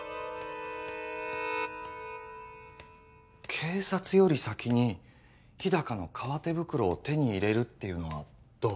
警察より先に日高の革手袋を手に入れるっていうのはどう？